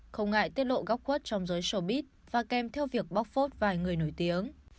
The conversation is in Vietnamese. không ngại tiết lộ góc quất trong dối showbiz và kèm theo việc bóc phốt vài người nổi tiếng